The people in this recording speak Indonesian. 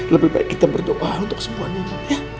lebih baik kita berdoa untuk semua nino ya